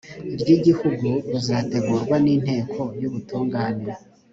ry igihugu ruzategurwa n inteko y ubutungane